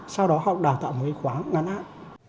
sau đó họ đào tạo một cái khoáng ngắn án